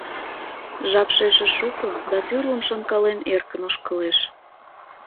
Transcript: Жапше эше шуко да тӱрлым шонкален эркын ошкылеш.